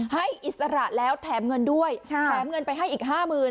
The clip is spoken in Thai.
อิสระแล้วแถมเงินด้วยแถมเงินไปให้อีก๕๐๐๐